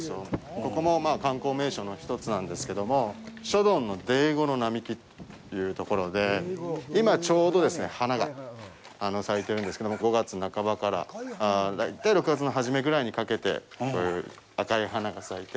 ここも観光名所の一つなんですけども諸鈍のデイゴの並木というところで今、ちょうど花が咲いてるんですけども５月半ばから大体６月の初めぐらいにかけて赤い花が咲いて。